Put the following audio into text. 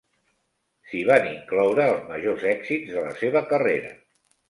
S'hi van incloure els majors èxits de la seva carrera.